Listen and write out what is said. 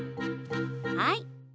はい。